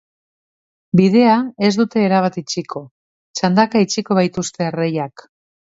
Bidea ez dute erabat itxiko, txandaka itxiko baitituzte erreiak.